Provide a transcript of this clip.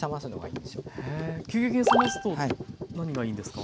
急激に冷ますと何がいいんですか？